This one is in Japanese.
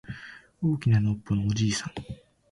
大きなのっぽのおじいさん